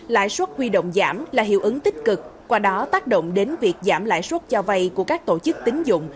lãi suất huy động giảm là hiệu ứng tích cực qua đó tác động đến việc giảm lãi suất cho vay của các tổ chức tính dụng